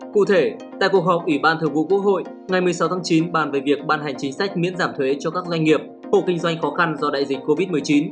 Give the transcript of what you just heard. cụ thể tại cuộc họp ủy ban thường vụ quốc hội ngày một mươi sáu tháng chín bàn về việc ban hành chính sách miễn giảm thuế cho các doanh nghiệp hộ kinh doanh khó khăn do đại dịch covid một mươi chín